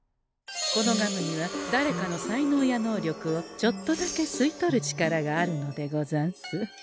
このガムにはだれかの才能や能力をちょっとだけ吸い取る力があるのでござんす。